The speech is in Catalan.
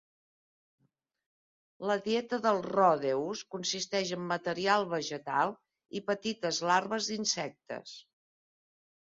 La dieta del ródeus consisteix en material vegetal i petites larves d'insectes.